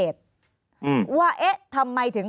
ภารกิจสรรค์ภารกิจสรรค์